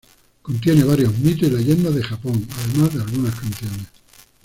Contiene varios mitos y leyendas de Japón, además de algunas canciones.